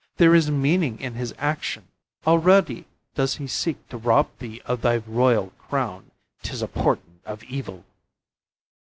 There is meaning in his action. Already does he seek to rob thee of thy royal crown. 'Tis a portent of evil."